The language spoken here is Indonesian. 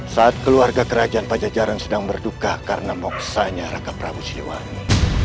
saat keluarga kerajaan pajajaran sedang berduka karena maksanya raka prabu siwangi